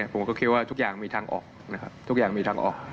ผมก็คิดว่าทุกอย่างมีทางออก